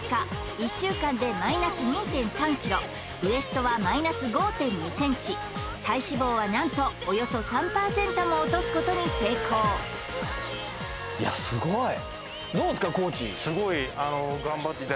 １週間でマイナス２．３ｋｇウエストはマイナス５．２ｃｍ体脂肪はなんとおよそ３％も落とすことに成功いやすごいどうですか？